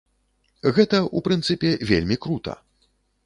Гэта, у прынцыпе, вельмі крута.